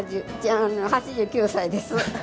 ７０、８９歳です。